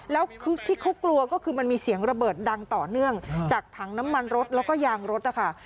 แล้วคือที่เขากลัวก็คือมันมีเสียงระเบิดดังต่อเนื่องจากถังน้ำมันรถแล้วก็ยางรถนะคะ